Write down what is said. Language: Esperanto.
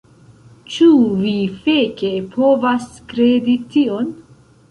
Ĉu vi feke povas kredi tion??